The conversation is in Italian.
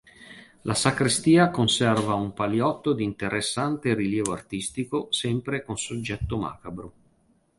La sacrestia conserva un paliotto di interessante rilievo artistico sempre con soggetto macabro.